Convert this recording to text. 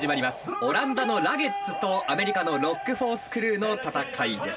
オランダのラゲッズとアメリカのロック・フォース・クルーの戦いです。